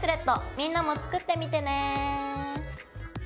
みんなも作ってみてね！